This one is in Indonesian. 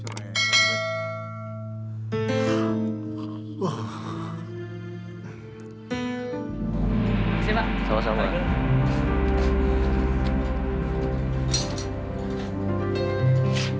terima kasih pak